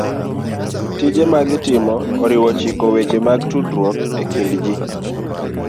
Tije ma gitimo oriwo chiko weche mag tudruok e kind ji.